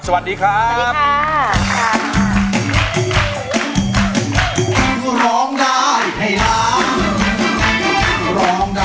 สวัสดีครับ